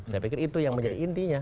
saya pikir itu yang menjadi intinya